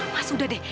mas udah deh